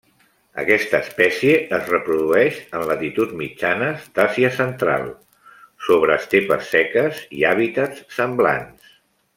Aquesta espècie es reprodueix en latituds mitjanes d'Àsia Central, sobre estepes seques i hàbitats semblants.